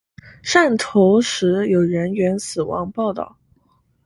汕头市有人员死亡报导。